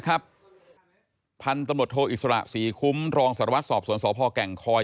พันธุ์ตำรวจโทอิสระศรีคุ้มรองสารวัตรสอบสวนสพแก่งคอย